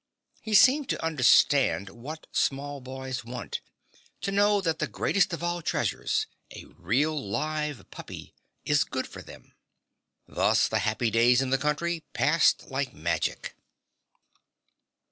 He seemed to understand what small boys want, to know that the greatest of all treasures, a real live puppy, is good for them. Thus the happy days in the country passed like magic.